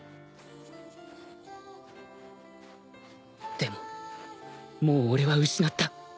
でももう俺は失った